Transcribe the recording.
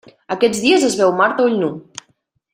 Aquests dies es veu Mart a ull nu.